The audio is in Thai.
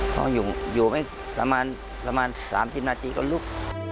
พออยู่ไม่ประมาณ๓๐นาทีก็ลุก